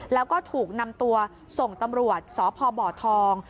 แล้วก็ถูกนำตัวส่งตำรวจสพบทอง